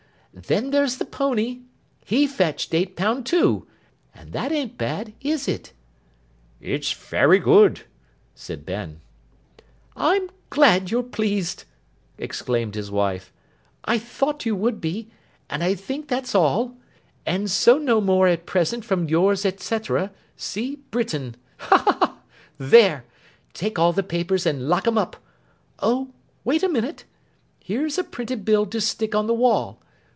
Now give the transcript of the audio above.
Then there's the pony—he fetched eight pound two; and that an't bad, is it?' 'It's very good,' said Ben. 'I'm glad you're pleased!' exclaimed his wife. 'I thought you would be; and I think that's all, and so no more at present from yours and cetrer, C. Britain. Ha ha ha! There! Take all the papers, and lock 'em up. Oh! Wait a minute. Here's a printed bill to stick on the wall.